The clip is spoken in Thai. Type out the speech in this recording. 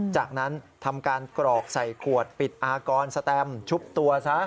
จากนั้นทำการกรอกใส่ขวดปิดอากรสแตมชุบตัวซะ